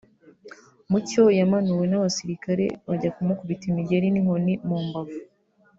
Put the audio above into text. Mucyo yamanuwe n’abasirikare bajya kumukibita imigeri n’inkoni mu mbavu